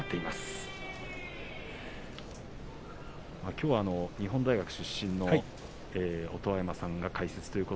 きょうは日本大学出身の音羽山さんが解説です。